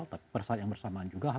tapi persaingan bersamaan juga